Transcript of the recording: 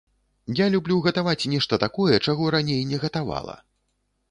Я люблю гатаваць нешта такое, чаго раней не гатавала.